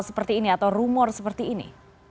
seperti ini atau rumor seperti ini